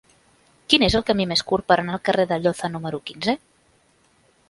Quin és el camí més curt per anar al carrer d'Alloza número quinze?